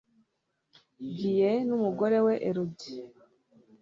Gilles n'umugore we Elodie,